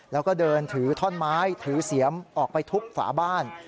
แล้วก็เดินถือท่อนไม้ถือเสียมออกไปทุบฝาบ้าน